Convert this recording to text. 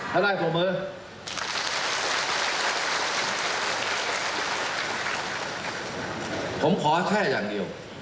ถ้าได้ขอบมือ